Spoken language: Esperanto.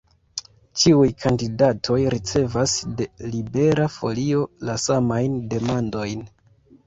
Ĉiuj kandidatoj ricevas de Libera Folio la samajn demandojn.